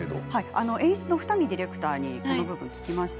演出の二見ディレクターに聞きました。